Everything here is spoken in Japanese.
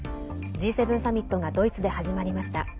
Ｇ７サミットがドイツで始まりました。